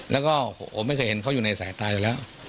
แล้วก็ผมไม่เคยเห็นเขาอยู่ในสายตาอยู่แล้ว